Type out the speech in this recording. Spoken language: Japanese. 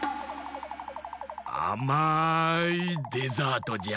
あまいデザートじゃ！